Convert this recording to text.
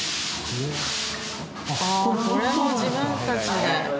これも自分たちで。